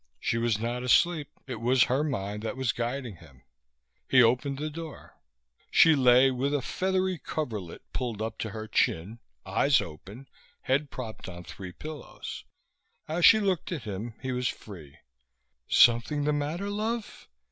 She was not asleep; it was her mind that was guiding him. He opened the door. She lay with a feathery coverlet pulled up to her chin, eyes open, head propped on three pillows; as she looked at him he was free. "Something the matter, love?